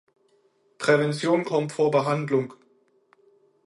Prävention kommt vor Behandlung.